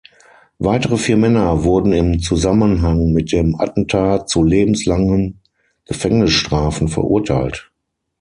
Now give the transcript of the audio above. Weitere vier Männer wurden im Zusammenhang mit dem Attentat zu lebenslangen Gefängnisstrafen verurteilt.